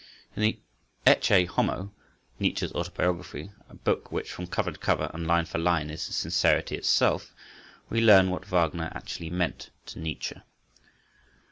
In the "Ecce Homo," Nietzsche's autobiography,—a book which from cover to cover and line for line is sincerity itself—we learn what Wagner actually meant to Nietzsche.